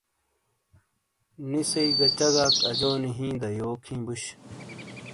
نی سئ گہ چگاک اجونی ہِیں دا یوک ہی بوش۔